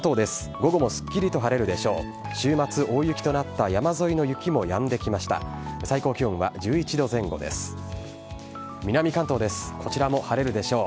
午後もすっきりと晴れるでしょう。